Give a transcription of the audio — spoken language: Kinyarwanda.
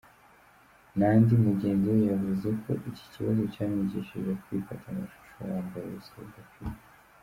Nandy mugenzi we yavuze ko iki kibazo cyamwigishije ko "kwifata amashusho wambaye ubusa bidakwiye.